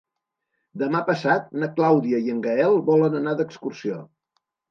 Demà passat na Clàudia i en Gaël volen anar d'excursió.